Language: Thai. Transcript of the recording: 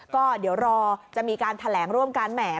ก็เดี๋ยวรอจะมีการแถลงร่วมกันแหม